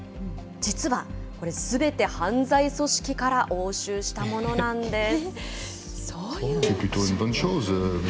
実は、これすべて犯罪組織から押収したものなんです。